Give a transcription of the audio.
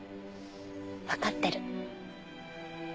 わかってる。